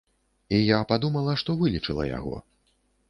І я падумала, што вылечыла яго.